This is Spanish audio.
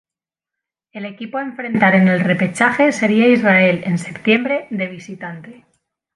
El equipo a enfrentar en el repechaje sería Israel en septiembre de visitante.